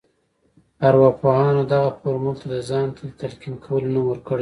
ارواپوهانو دغه فورمول ته د ځان ته د تلقين کولو نوم ورکړی دی.